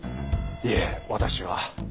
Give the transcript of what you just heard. いえ私は。